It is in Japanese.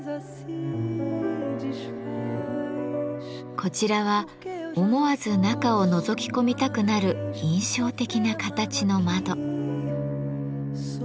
こちらは思わず中をのぞき込みたくなる印象的な形の窓。